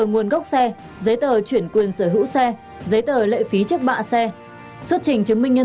nguồn gốc xe giấy tờ chuyển quyền sở hữu xe giấy tờ lệ phí trước bạ xe xuất trình chứng minh nhân